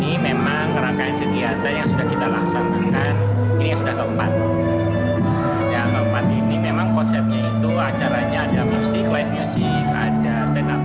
ini sudah keempat ya keempat ini memang konsepnya itu acaranya ada musik live music ada stand up